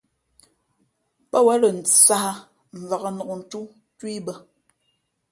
Pά wěn lα sāh mvǎk nǒktú tú i bᾱ.